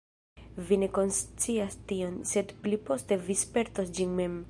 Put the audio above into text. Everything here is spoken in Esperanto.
Vi ne konscias tion, sed pli poste vi spertos ĝin mem.